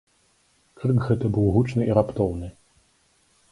Крык гэты быў гучны і раптоўны.